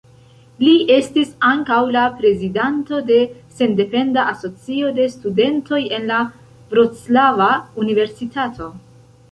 Li estis ankaŭ la prezidanto de Sendependa Asocio de Studentoj en la Vroclava Universitato.